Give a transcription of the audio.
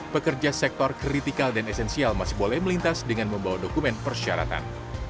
pekerja sektor kritikal dan esensial masih boleh melintas dengan membawa dokumen persyaratan